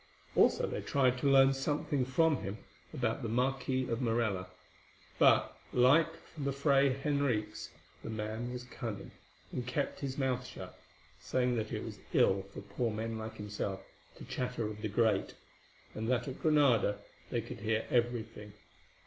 Also they tried to learn something from him about the Marquis of Morella, but, like the Fray Henriques, the man was cunning, and kept his mouth shut, saying that it was ill for poor men like himself to chatter of the great, and that at Granada they could hear everything.